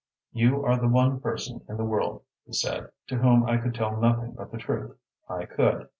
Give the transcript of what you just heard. "You are the one person in the world," he said, "to whom I could tell nothing but the truth. I could."